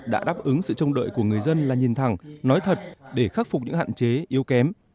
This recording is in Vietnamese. đã đáp ứng sự trông đợi của người dân là nhìn thẳng nói thật để khắc phục những hạn chế yếu kém